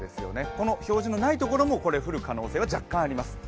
この表示のないところも降る可能性が若干あります。